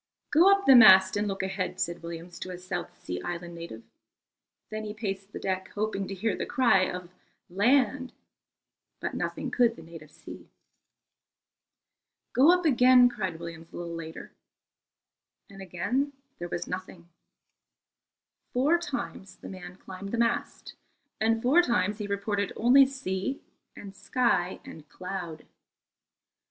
"Go up the mast and look ahead," said Williams to a South Sea Island native. Then he paced the deck, hoping to hear the cry of "Land," but nothing could the native see. "Go up again," cried Williams a little later. And again there was nothing. Four times the man climbed the mast, and four times he reported only sea and sky and cloud.